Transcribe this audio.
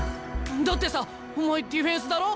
だってさお前ディフェンスだろ？